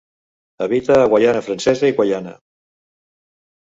Habita a Guyana Francesa i Guyana.